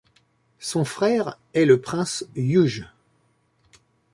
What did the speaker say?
Son frère est le prince Yuge.